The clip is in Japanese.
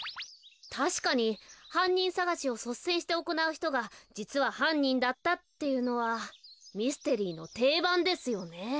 たしかにはんにんさがしをそっせんしておこなうひとがじつははんにんだったっていうのはミステリーのていばんですよね。